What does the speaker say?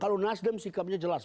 kalau nasdem sikapnya jelas